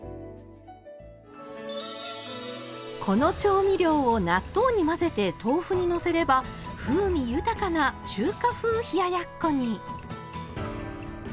この調味料を納豆に混ぜて豆腐にのせれば風味豊かな中華風冷ややっこに。